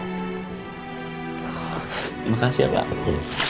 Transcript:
terima kasih ya pak